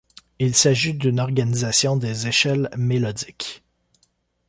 Il s'agit d'une organisation des échelles mélodiques.